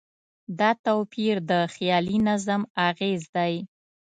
دا توپیر د خیالي نظم اغېز دی.